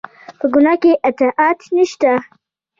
په ګناه کې اطاعت نشته